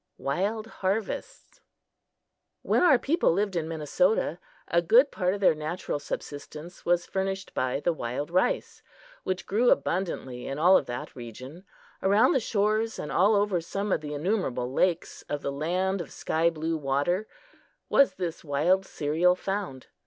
Wild Harvests WHEN our people lived in Minnesota, a good part of their natural subsistence was furnished by the wild rice, which grew abundantly in all of that region. Around the shores and all over some of the innumerable lakes of the "Land of Sky blue Water" was this wild cereal found.